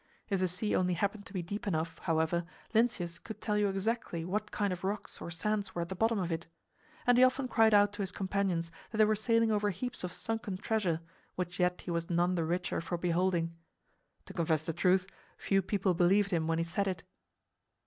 If the sea only happened to be deep enough, however, Lynceus could tell you exactly what kind of rocks or sands were at the bottom of it; and he often cried out to his companions that they were sailing over heaps of sunken treasure, which yet he was none the richer for beholding. To confess the truth, few people believed him when he said it.